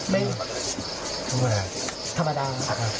ไม่ธรรมดา